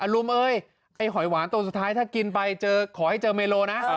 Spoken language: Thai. อรุมเฮ้ยหอยหวานตัวสุดท้ายถ้ากินไปนะขอให้เจอเมโลนะ